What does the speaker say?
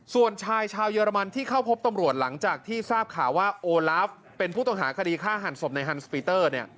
ส่วนชายชาวเยอรมันที่เข้าพบตำรวจหลังจากที่ทราบข่าวว่าโอลาฟเป็นผู้ต้องหาคดีฆ่าหันศพในฮันสปีเตอร์